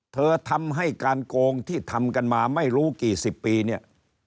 ทำให้การโกงที่ทำกันมาไม่รู้กี่สิบปีเนี่ย